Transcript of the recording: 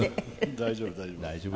大丈夫大丈夫。